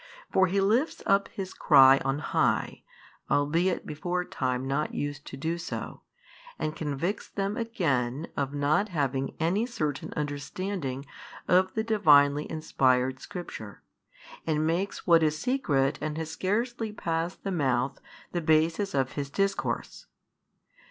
For He lifts up His cry on high, albeit before time not used to do so, and convicts them again of |519 not having any certain understanding of the Divinely inspired Scripture, and makes what is secret and has scarcely passed the mouth the basis of His Discourse.